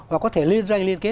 và có thể liên doanh liên kết